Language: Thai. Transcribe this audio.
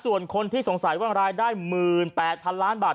ส่วนคนที่สงสัยว่ารายได้๑๘๐๐๐ล้านบาท